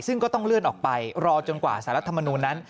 ซึ่งก็ต้องเลื่อนออกไปรอจนกว่าสารรัฐมนูลนั้น